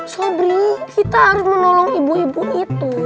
selebri kita harus menolong ibu ibu itu